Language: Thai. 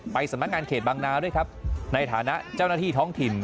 สำนักงานเขตบางนาด้วยครับในฐานะเจ้าหน้าที่ท้องถิ่น